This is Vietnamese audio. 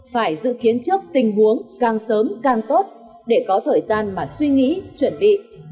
phải dự kiến trước tình huống càng sớm càng tốt để có thời gian mà suy nghĩ chuẩn bị